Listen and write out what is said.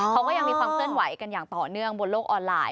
เขาก็ยังมีความเคลื่อนไหวกันอย่างต่อเนื่องบนโลกออนไลน